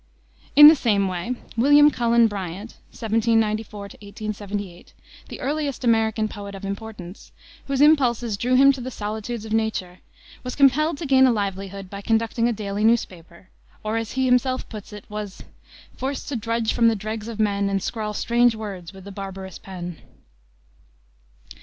In the same way William Cullen Bryant (1794 1878), the earliest American poet of importance, whose impulses drew him to the solitudes of nature, was compelled to gain a livelihood by conducting a daily newspaper; or, as he himself puts it, was "Forced to drudge for the dregs of men, And scrawl strange words with the barbarous pen."